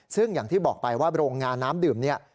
ซึ่งอย่างที่บอกไปว่าโรงงานน้ำดื่มเนี่ย